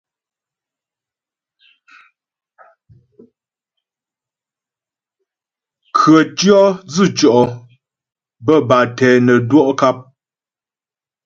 Khətʉɔ̌ dzʉtʉɔ' bə́́ bâ tɛ nə́ dwɔ' kap.